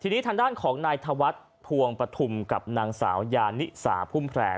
ทีนี้ทางด้านของนายธวัฒน์ภวงปฐุมกับนางสาวยานิสาพุ่มแพร่